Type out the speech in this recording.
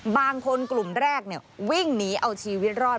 กลุ่มแรกวิ่งหนีเอาชีวิตรอด